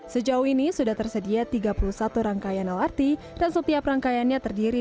sejauh ini sudah tersedia tiga puluh satu rangkaian lrt dan setiap rangkaiannya terdiri